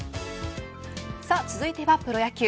続いてはプロ野球。